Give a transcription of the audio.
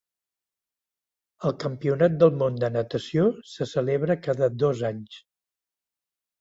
El Campionat del Món de natació se celebra cada dos anys.